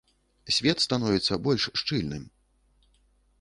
Свет становіцца больш шчыльным.